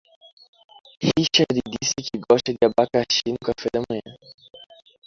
Rachid disse que gosta de abacaxi no café da manhã.